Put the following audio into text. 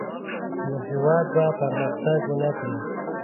نو هېواد به پرمختګ ونه کړي.